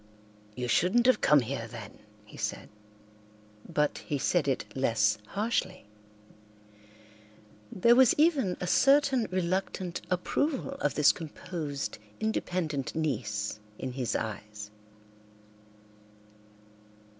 "You shouldn't have come here, then," he said, but he said it less harshly. There was even a certain reluctant approval of this composed, independent niece in his eyes.